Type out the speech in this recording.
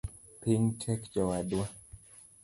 Piny tek jowadwa